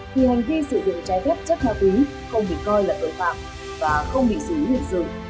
thì hành vi sử dụng trái phép chất ma túy không bị coi là tội phạm và không bị xử lý hình sự